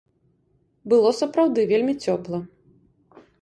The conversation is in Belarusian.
Было сапраўды вельмі цёпла.